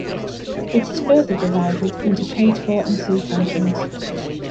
It is further divided into paid for and free titles.